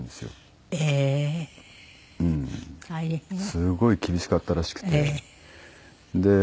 すごい厳しかったらしくて。